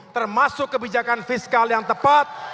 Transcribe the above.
termasuk kebijakan fiskal yang tepat